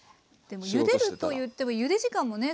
でもゆでるといってもゆで時間もね